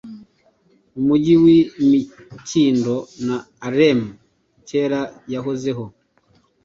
Umujyi wImikindo, na alem Kera yahozeho